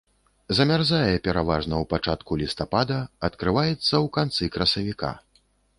Замярзае пераважна ў пачатку лістапада, адкрываецца ў канцы красавіка.